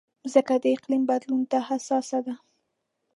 مځکه د اقلیم بدلون ته حساسه ده.